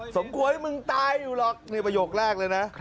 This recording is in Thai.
สมควรให้มึงตายอยู่หรอกนี่ประโยคแรกเลยนะ